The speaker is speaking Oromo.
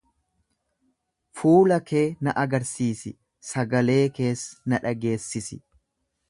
fuula kee na argisiisi, sagalee kees na dhageessisi!